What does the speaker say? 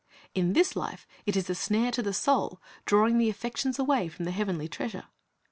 In this life it is a snare to the soul, drawing the affections away from the heavenly treasure.